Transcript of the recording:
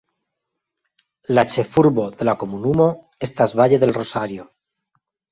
La ĉefurbo de la komunumo estas Valle del Rosario.